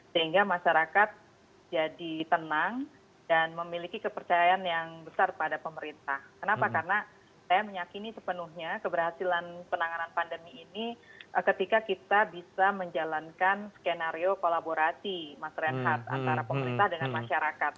sehingga masyarakat jadi tenang dan memiliki kepercayaan yang besar pada pemerintah kenapa karena saya meyakini sepenuhnya keberhasilan penanganan pandemi ini ketika kita bisa menjalankan skenario kolaborasi mas renhardt antara pemerintah dengan masyarakat